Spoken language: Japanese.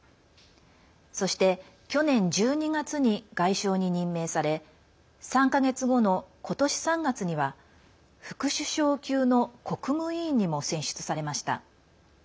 そして、去年１２月に外相に任命され３か月後の今年３月には副首相級の国務委員にも選出されました。